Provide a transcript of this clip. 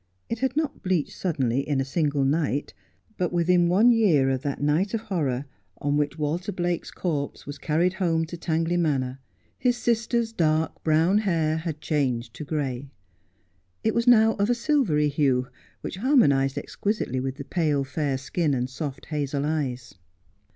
It had not bleached suddenly in a single night, but within one year of that night of horror on which "Walter Blake's corpse was 38 Just as I Am. carried home to Tangley Manor his sister's dark brown hair had changed to gray. It was now of a silvery hue, which har monized exquisitely with the pale fair skin and soft hazel eyes.